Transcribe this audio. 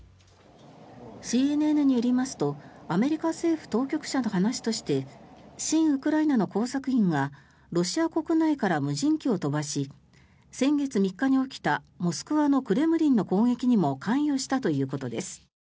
ＣＮＮによりますとアメリカ政府当局者の話として親ウクライナの工作員がロシア国内から無人機を飛ばし先月３日に起きたモスクワのクレムリンの攻撃にも関与したということです。